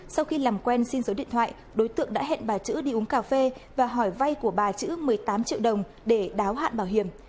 sau khi làm quen xin số điện thoại đối tượng đã hẹn bà chữ đi uống cà phê và hỏi vay của bà chữ một mươi tám triệu đồng để đáo hạn bảo hiểm